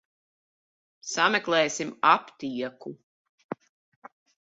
Sameklēsim aptieku.